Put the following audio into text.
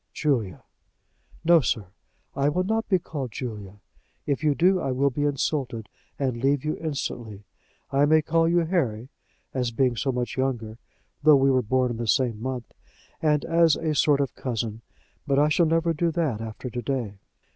"Julia!" "No, sir; I will not be called Julia. If you do, I will be insulted, and leave you instantly. I may call you Harry, as being so much younger, though we were born in the same month, and as a sort of cousin. But I shall never do that after to day."